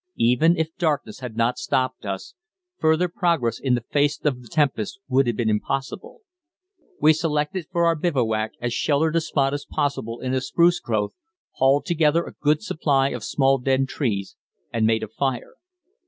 Even if darkness had not stopped us, further progress in the face of the tempest would have been impossible. We selected for our bivouac as sheltered a spot as possible in a spruce growth, hauled together a good supply of small dead trees and made a fire.